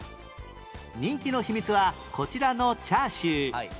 人気の秘密はこちらのチャーシュー